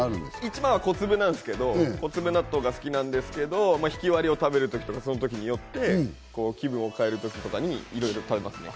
一番は小粒納豆が好きなんですけど、ひきわりを食べる時とか、その時によって気分を変えるときとかにいろいろ食べますね。